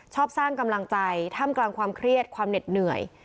ชอบสร้างกำลังใจท่ามกลางความเครียดความเหน็ดเหนื่อย